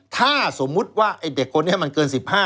ถ้าสมมุติว่าไอ้เด็กคนนี้มันเกิน๑๕